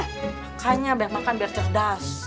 makanya biar makan biar cerdas